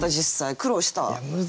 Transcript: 苦労した？